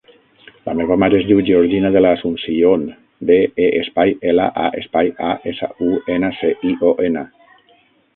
La meva mare es diu Georgina De La Asuncion: de, e, espai, ela, a, espai, a, essa, u, ena, ce, i, o, ena.